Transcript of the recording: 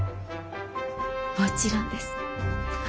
もちろんです。